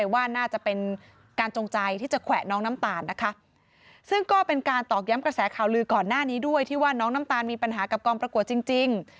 เวย์ที่ว่าน้องน้ำตาลมีปัญหากับกองประกวดจริง